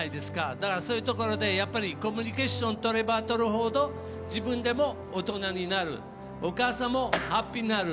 だから、そういうところでコミュニケーションとればとるほど自分でも大人になるお母さんもハッピーになる。